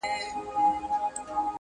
o چا راوستي وي وزګړي او چا مږونه,